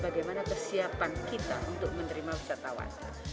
bagaimana persiapan kita untuk menerima wisatawan